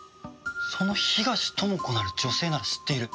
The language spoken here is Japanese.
その東智子なる女性なら知っている。